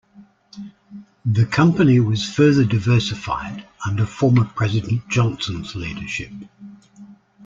The company was further diversified under former president Johnson's leadership.